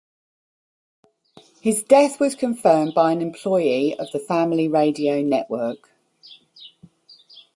His death was confirmed by an employee of the Family Radio Network.